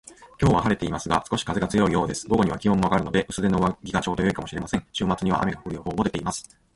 今日は晴れていますが、少し風が強いようです。午後には気温も上がるので、薄手の上着がちょうど良いかもしれません。週末には雨が降る予報も出ています